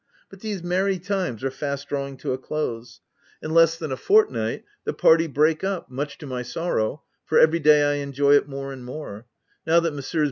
But these merry times are fast drawing to a close. In less than a fort night the party break up, much to my sorrow, for every day I enjoy it more and more — now that Messrs.